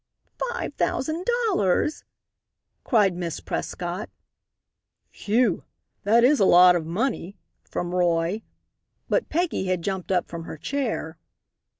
"Five thousand dollars!" cried Miss Prescott. "Phew! That is a lot of money," from Roy. But Peggy had jumped up from her chair.